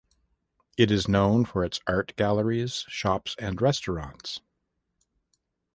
It is known for its art galleries, shops and restaurants.